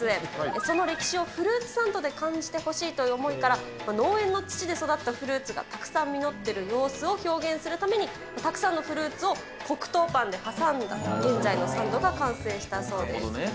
その歴史をフルーツサンドで感じてほしいという思いから、農園の土で育ったフルーツがたくさん実っている様子を表現するために、たくさんのフルーツを黒糖パンで挟んだ現在のサンドが完成したそうです。